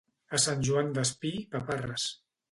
A Sant Joan Despí, paparres.